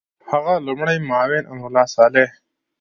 د هغه لومړی معاون امرالله صالح